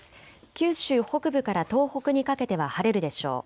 九州北部から東北にかけては晴れるでしょう。